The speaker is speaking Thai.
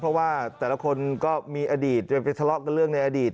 เพราะว่าแต่ละคนก็มีอดีตจะไปทะเลาะกันเรื่องในอดีต